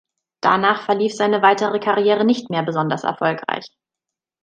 Danach verlief seine weitere Karriere nicht mehr besonders erfolgreich.